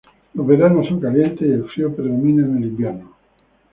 Los veranos son calientes y el frío predomina en el invierno.